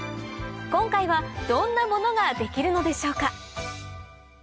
今回はどんなものが出来るのでしょうか？